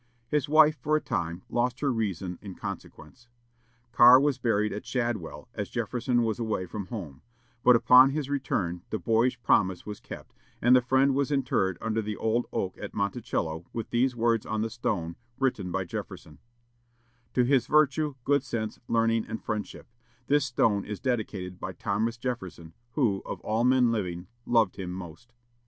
His wife, for a time, lost her reason in consequence. Carr was buried at "Shadwell," as Jefferson was away from home; but, upon his return, the boyish promise was kept, and the friend was interred under the old oak at Monticello, with these words on the stone, written by Jefferson: "To his Virtue, Good Sense, Learning, and Friendship, this stone is dedicated by Thomas Jefferson, who, of all men living, loved him most."